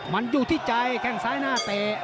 มันอยู่ที่ใจแข้งซ้ายหน้าเตะ